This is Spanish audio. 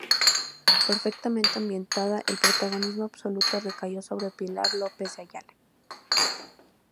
Perfectamente ambientada, el protagonismo absoluto recayó sobre Pilar López de Ayala.